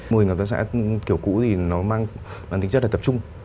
mô hình hợp tác xã kiểu cũ thì nó mang tính chất là tập trung